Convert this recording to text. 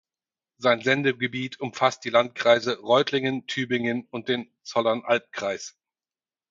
Sein Sendegebiet umfasst die Landkreise Reutlingen, Tübingen und den Zollernalbkreis.